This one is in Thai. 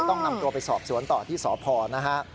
นำตัวไปสอบสวนต่อที่สพนะฮะ